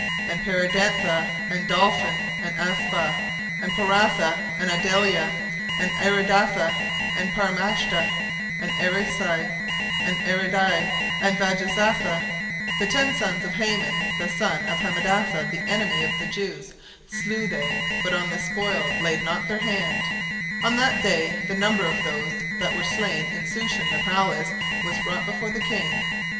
17:009:007 And Parshandatha, and Dalphon, and Aspatha, 17:009:008 And Poratha, and Adalia, and Aridatha, 17:009:009 And Parmashta, and Arisai, and Aridai, and Vajezatha, 17:009:010 The ten sons of Haman the son of Hammedatha, the enemy of the Jews, slew they; but on the spoil laid they not their hand. 17:009:011 On that day the number of those that were slain in Shushan the palace was brought before the king.